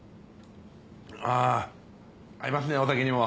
あ合いますねお酒にも。